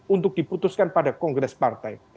untuk diputuskan pada kongres partai